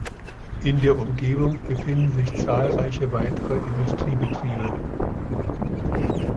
In der Umgebung befinden sich zahlreiche weitere Industriebetriebe.